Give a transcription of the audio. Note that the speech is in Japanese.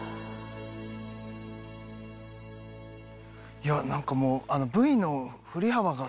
いや何かもう。